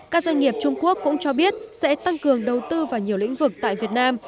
các doanh nghiệp trung quốc cũng cho biết sẽ tăng cường đầu tư vào nhiều lĩnh vực tại việt nam